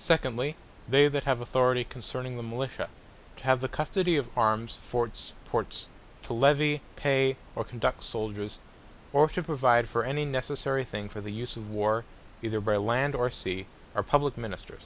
Secondly, they that have Authority concerning the Militia; to have the custody of Armes, Forts, Ports; to Levy, Pay, or Conduct Souldiers; or to provide for any necessary thing for the use of war, either by Land or Sea, are publique Ministers.